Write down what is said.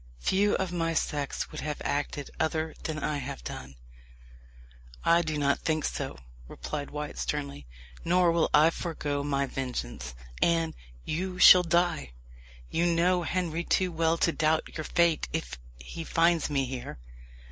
"Few of my sex would have acted other than I have done." "I do not think so," replied Wyat sternly; "nor will I forego my vengeance. Anne, you shall die. You know Henry too well to doubt your fate if he finds me here."